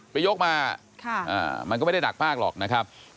ยกมามันก็ไม่ได้หนักมากหรอกนะครับ